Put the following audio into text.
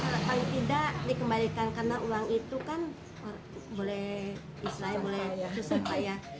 harapan tidak dikembalikan karena uang itu kan boleh diserahkan boleh disusahkan ya